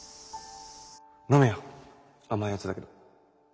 飲めよ甘いヤツだけど。